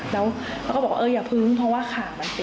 เขาบอกว่าอย่าพึ้งแรงกลัวทำพิมพ์เพราะว่าขาดมัดติด